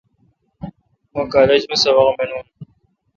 مہ کالج می سبق مینون۔